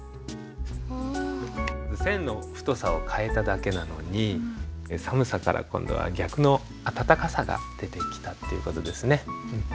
線の太さを変えただけなのに寒さから今度は逆の温かさが出てきたっていう事ですね。